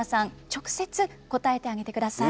直接答えてあげて下さい。